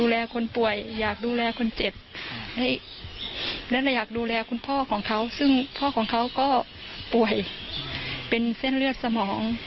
และอยากดูแลคุณพ่อของเขาซึ่งพ่อของเขาก็ป่วยเป็นเส้นเลือดสมอง